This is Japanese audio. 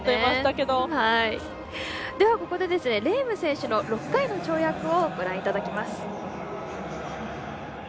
では、ここでレーム選手の６回の跳躍をご覧いただきます。